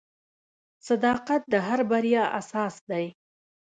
• صداقت د هر بریا اساس دی.